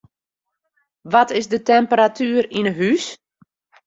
Wat is de temperatuer yn 'e hús?